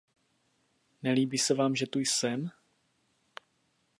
Nelíbí se vám, že tu jsem?